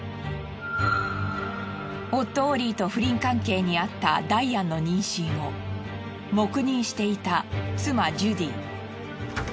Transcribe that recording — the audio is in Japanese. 夫オリーと不倫関係にあったダイアンの妊娠を黙認していた妻ジュディ。